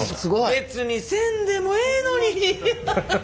別にせんでもええのに！